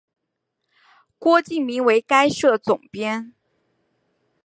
郭敬明为该社总编。